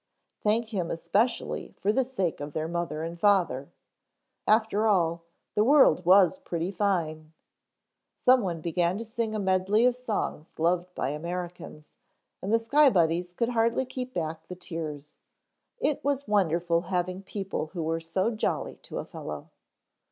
Thank Him especially for the sake of their mother and father after all, the world was pretty fine. Someone began to sing a medley of songs loved by Americans, and the Sky Buddies could hardly keep back the tears. It was wonderful having people who were so jolly to a fellow.